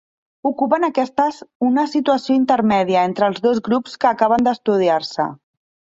Ocupen aquestes una situació intermèdia entre els dos grups que acaben d'estudiar-se.